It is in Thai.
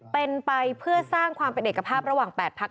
เป็นไปเพื่อสร้างความเป็นเอกภาพระหว่าง๘พัก